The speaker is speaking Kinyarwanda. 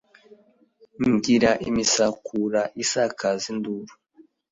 Ngira imisakura isakaza induru